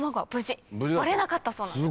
割れなかったそうなんです。